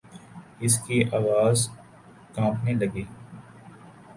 اس کی آواز کانپنے لگی۔